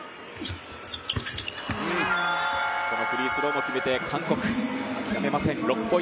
このフリースローも決めて韓国、諦めません。